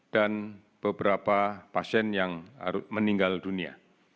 dan beberapa pasien yang meninggal dunia